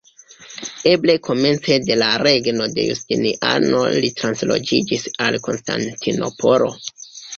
Eble komence de la regno de Justiniano li transloĝiĝis al Konstantinopolo.